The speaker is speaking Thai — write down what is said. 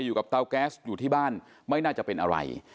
เตาแก๊สอยู่ที่บ้านไม่น่าจะเป็นอะไร